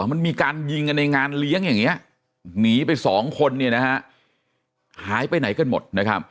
มันมีการยิงในงานเลี้ยงอย่างนี้หนีไปสองคนหายไปไหนก็หมด